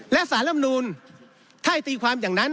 และสารลำนูนถ้าให้ตีความอย่างนั้น